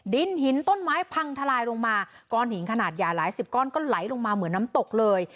ดินหินต้นไม้พังทลายลงมาก้อนหินขนาดใหญ่หลายสิบก้อนก็ไหลลงมาเหมือนน้ำตกเลย